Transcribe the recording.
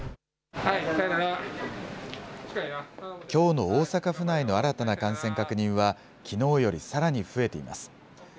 きょうの大阪府内の新たな感染確認は、きのうよりさらに増えています。